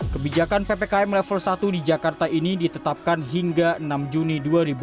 kebijakan ppkm level satu di jakarta ini ditetapkan hingga enam juni dua ribu dua puluh